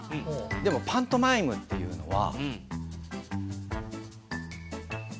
でもパントマイムっていうのは。